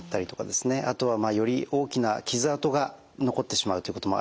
あとはより大きな傷痕が残ってしまうということもあります。